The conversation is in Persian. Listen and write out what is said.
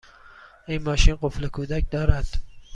این ماشین قفل کودک دارد؟